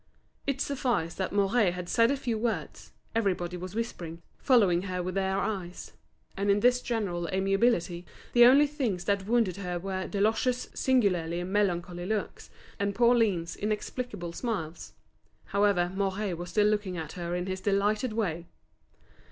It sufficed that Mouret had said a few words, everybody was whispering, following her with their eyes. And in this general amiability, the only things that wounded her were Deloche's singularly melancholy looks, and Pauline's inexplicable smiles. However, Mouret was still looking at her in his delighted way.